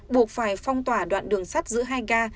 buộc phải phong tỏa đoạn đường sắt giữa hai ga